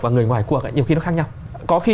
và người ngoài cuộc nhiều khi nó khác nhau có khi